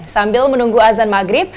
sambil menunggu azan maghrib